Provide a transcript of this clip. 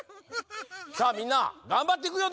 さあみんながんばっていくよ